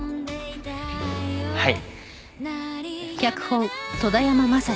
はい。